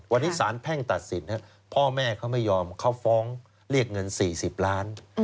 วันนี้สารแพ่งตัดสินพ่อแม่เขาไม่ยอมเขาฟ้องเรียกเงิน๔๐ล้าน